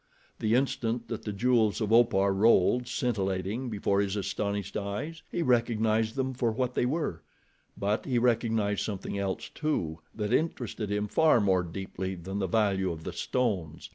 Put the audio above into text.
The instant that the jewels of Opar rolled, scintillating, before his astonished eyes, he recognized them for what they were; but he recognized something else, too, that interested him far more deeply than the value of the stones.